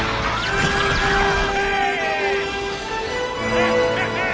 アッハハー！